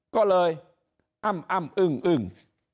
ก็เลยอ้ำอึ้งอึ้ง